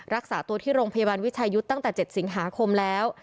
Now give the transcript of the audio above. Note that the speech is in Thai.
รักษาตัวที่โรงพยาบาลวิชายุทธ์ตั้งแต่๗สิงหาคมแล้ว